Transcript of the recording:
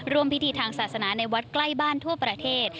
พิธีทางศาสนาในวัดใกล้บ้านทั่วประเทศ